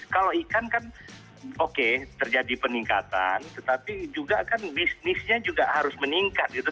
kalau ikan kan oke terjadi peningkatan tetapi juga kan bisnisnya juga harus meningkat gitu